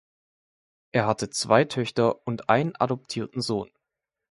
Er hatte zwei Töchter und einen adoptierten Sohn.